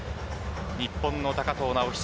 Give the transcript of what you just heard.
日本の高藤直寿。